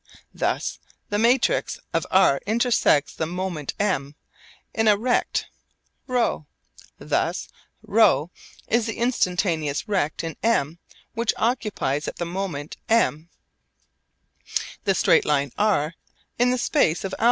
Thus the matrix of r intersects the moment M in a rect ρ. Thus ρ is the instantaneous rect in M which occupies at the moment M the straight line r in the space of α.